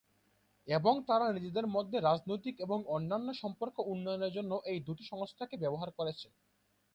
এবং তারা নিজেদের মধ্যে রাজনৈতিক এবং অন্যান্য সম্পর্কের উন্নয়নের জন্য এই দুটি সংস্থাকে ব্যবহার করেছে।